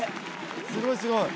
すごいすごい。